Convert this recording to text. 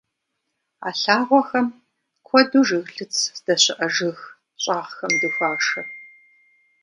А лъагъуэхэм куэду жыглыц здэщыӏэ жыг щӀагъхэм дыхуашэ.